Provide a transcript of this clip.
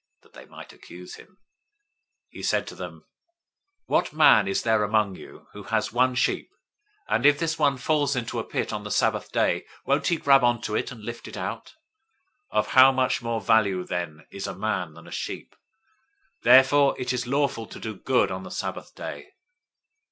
that they might accuse him. 012:011 He said to them, "What man is there among you, who has one sheep, and if this one falls into a pit on the Sabbath day, won't he grab on to it, and lift it out? 012:012 Of how much more value then is a man than a sheep! Therefore it is lawful to do good on the Sabbath day."